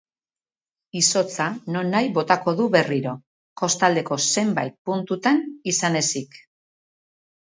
Izotza nonahi botako du berriro, kostaldeko zenbait puntutan izan ezik.